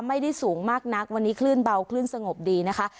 ไม่ได้สูงมากนักวันนี้คลื่นเบาคลื่นสงบดีนะคะ